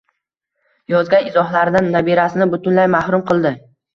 yozgan izhorlaridan nabirasini butunlay mahrum qildi.